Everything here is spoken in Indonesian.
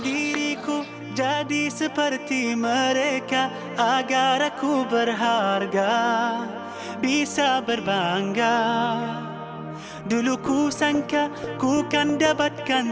diriku jadi seperti mereka agar aku berharga bisa berbangga dulu ku sangka ku kan dapatkan